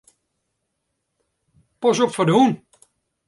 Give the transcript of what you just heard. Pas op foar de hûn.